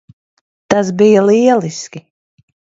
Tas bija lieliski.